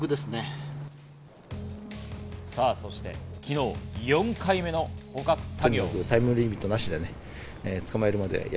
そして昨日、４回目の捕獲作業。